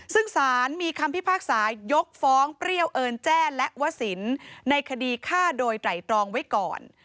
ซึ่งสารมีคำพิพากษายกฟ้องเปรี้ยวเอิญแจ้และวสินในคดีฆ่าโดยไตรตรองไว้ก่อน